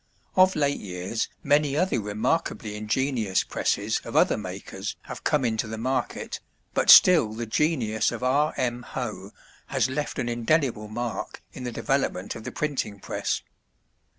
Of late years many other remarkably ingenious presses of other makers have come into the market, but still the genius of R. M. Hoe has left an indelible mark in the development of the printing press.